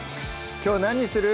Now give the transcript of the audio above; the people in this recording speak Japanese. きょう何にする？